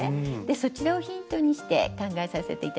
そちらをヒントにして考えさせて頂きました。